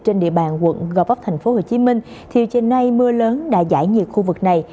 trên địa bàn quận gò vấp tp hcm thì trên nay mưa lớn đã giải nhiệt khu vực này